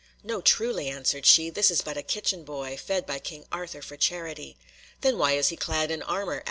"No, truly," answered she, "this is but a kitchen boy, fed by King Arthur for charity." "Then why is he clad in armour?"